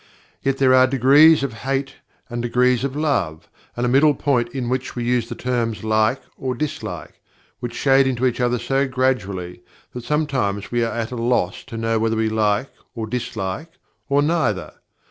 And yet there are degrees of Hate and degrees of Love, and a middle point in which we use the terms "Like or Dislike," which shade into each other so gradually that sometimes we are at a loss to know whether we "like" or "dislike" or "neither."